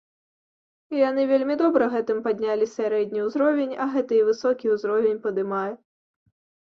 Яны вельмі добра гэтым паднялі сярэдні ўзровень, а гэта і высокі ўзровень падымае.